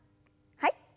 はい。